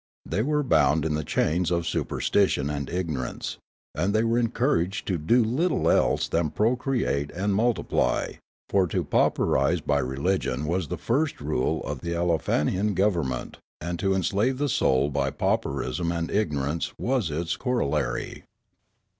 They were bound in the chains of superstition and ignorance, and they were encouraged to do little else than procreate and multi ply ; for to pauperise by religion was the first rule of the Aleofanian government, and to enslave the soul b}^ pauperism and ignorance was its corollary.